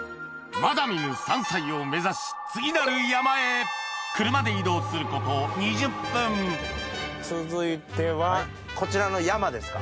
まだ見ぬ山菜を目指しすること２０分続いてはこちらの山ですか？